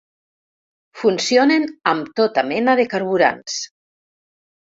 Funcionen amb tota mena de carburants.